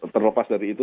terlepas dari itu